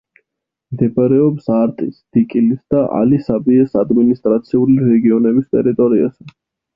მდებარეობს არტის, დიკილის და ალი-საბიეს ადმინისტრაციული რეგიონების ტერიტორიაზე.